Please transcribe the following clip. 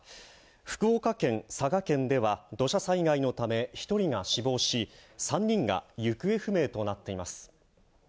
福岡県、佐賀県では、土砂災害のため１人が死亡し、３人が行方不明となっています。